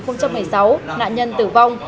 nạn nhân tử vong